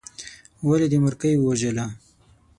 ولې دې مورکۍ ووژله.